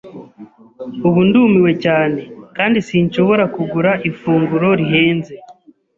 Ubu ndumiwe cyane kandi sinshobora kugura ifunguro rihenze.